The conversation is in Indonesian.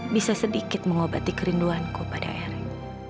bisa sedikit mengobati kerinduanku pada erik